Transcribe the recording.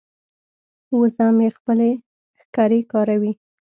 وزه مې خپلې ښکرې کاروي.